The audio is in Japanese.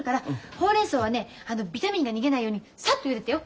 ほうれんそうはねビタミンが逃げないようにサッとゆでてよ。